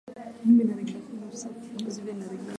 Mia mbili na ishirini hadi mia mbili na themanini